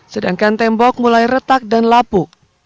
sedangkan tembok mulai retak dan lapuk